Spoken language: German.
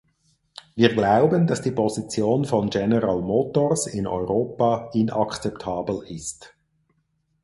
Wir glauben, dass die Position von General Motors in Europa inakzeptabel ist.